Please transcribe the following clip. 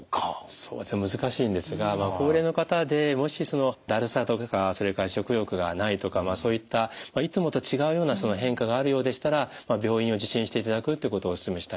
そうですね難しいんですが高齢の方でもしそのだるさとかそれから食欲がないとかそういったいつもと違うような変化があるようでしたら病院を受診していただくってことをお勧めしたいなと思います。